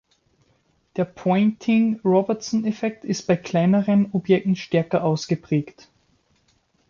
Der Poynting-Robertson-Effekt ist bei kleineren Objekten stärker ausgeprägt.